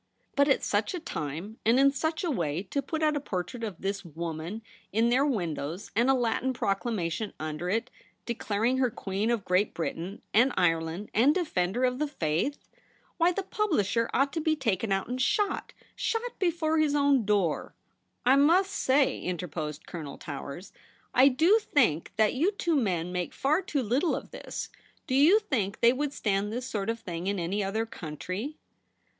' But at such a time; and in such a way, to put out a portrait of this w^oman in their windows, and a Latin proclamation under it) declaring her Queen of Great Britain and Ireland and Defender of the Faith ! Why the publisher ought to be taken out and shot — shot before his own door.' ' I must say,' interposed Colonel Towers, ' I do think that you two men make far too little of this. Do you think they would stand this sort of thing in any other country